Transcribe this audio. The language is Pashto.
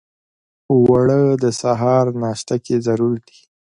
اوړه د سهار ناشته کې ضرور دي